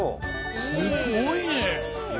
すごいね！